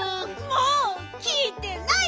もうきいてない！